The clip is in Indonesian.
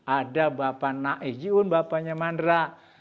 ada bapak naik jiun bapaknya mandra